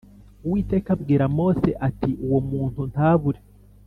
Uwiteka abwira Mose ati Uwo muntu ntabure